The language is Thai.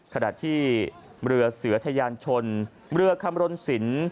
ขณะที่เรือเสือทะยานชนเรือคำรณสิน